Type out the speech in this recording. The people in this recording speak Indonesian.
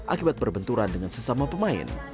akibat berbenturan dengan sesama pemain